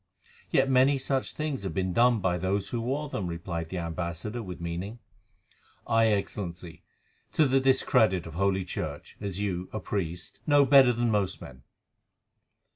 "Yet many such things have been done by those who wore them," replied the ambassador with meaning. "Aye, Excellency, to the discredit of Holy Church, as you, a priest, know better than most men.